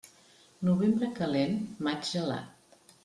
Novembre calent, maig gelat.